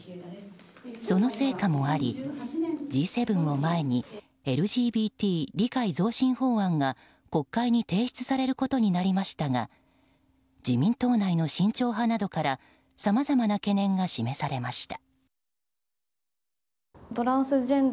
その成果もあり、Ｇ７を前にＬＧＢＴ理解増進法案が国会に提出されることになりましたが自民党内の慎重派などからさまざまな懸念が示されました。